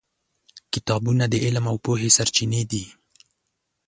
کتابونه د علم او پوهې سرچینې دي.